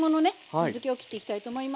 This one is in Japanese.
水けをきっていきたいと思います。